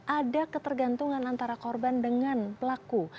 ada ketergantungan antara korban dengan pelaku